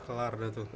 kelar dah tuh